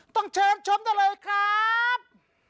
ต้องเชิญชมได้เลยครับ